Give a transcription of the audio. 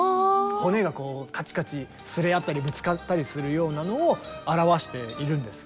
骨がカチカチ擦れ合ったりぶつかったりするようなのを表しているんですね。